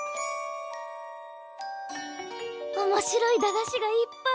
おもしろい駄菓子がいっぱい！